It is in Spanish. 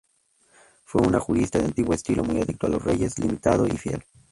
Fue un jurista de antiguo estilo, muy adicto, a los reyes, limitado y fiel.